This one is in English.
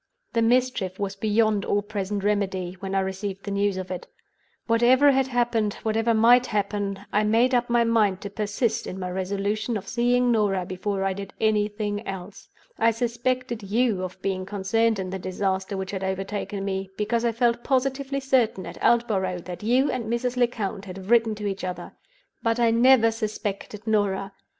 "The mischief was beyond all present remedy, when I received the news of it. Whatever had happened, whatever might happen, I made up my mind to persist in my resolution of seeing Norah before I did anything else. I suspected you of being concerned in the disaster which had overtaken me—because I felt positively certain at Aldborough that you and Mrs. Lecount had written to each other. But I never suspected Norah.